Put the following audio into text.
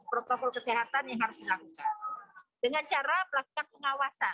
protokol kesehatan yang harus dilakukan